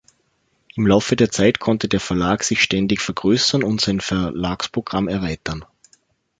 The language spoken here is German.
Im Laufe der Zeit konnte der Verlag sich ständig vergrößern und sein Verlagsprogramm erweitern.